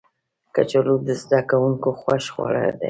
کچالو د زده کوونکو خوښ خواړه دي